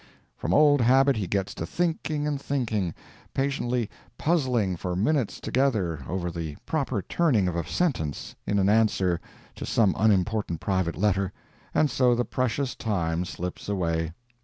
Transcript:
From old habit he gets to thinking and thinking, patiently puzzling for minutes together over the proper turning of a sentence in an answer to some unimportant private letter, and so the precious time slips away.